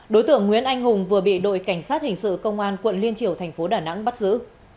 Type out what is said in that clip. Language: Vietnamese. đối tượng nguyễn anh hùng vừa bị đội cảnh sát hình sự công an quận liên triều thành phố đà nẵng bắt giữ